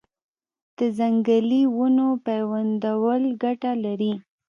د ځنګلي ونو پیوندول ګټه لري؟